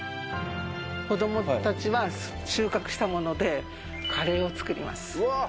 子供たちは収穫したものでカレーを作ります。